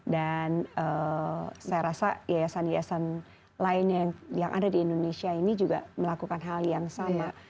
dan saya rasa yayasan yayasan lain yang ada di indonesia ini juga melakukan hal yang sama